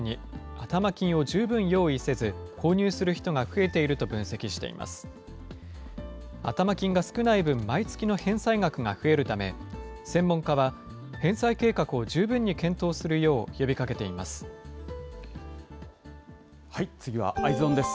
頭金が少ない分、毎月の返済額が増えるため、専門家は、返済計画を十分に検討するよう呼びかけています。